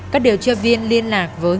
các điều tra viên liên lạc với